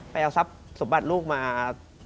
ไปเอาสับสมบัติลูกมา